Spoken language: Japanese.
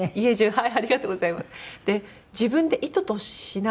はい。